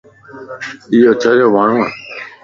ايو چريو ماڻھون وَ